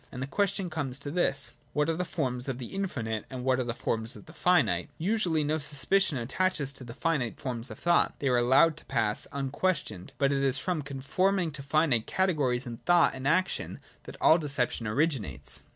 And the question comes to this : What are the forms of the infinite, and what are the forms of the finite ? Usually no suspicion attaches to the finite forms of thought ; they are allowed to pass unquestioned. But it is from conforming to finite cate gories in thought and action that all deception oricrinates.